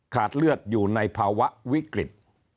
เลือดอยู่ในภาวะวิกฤต